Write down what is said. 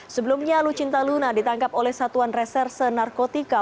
sebelumnya lucinta luna ditangkap oleh satuan reserse narkotika